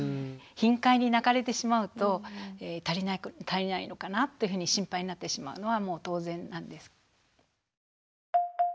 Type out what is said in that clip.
頻回に泣かれてしまうと足りないのかなってふうに心配になってしまうのはもう当然なんですけれども。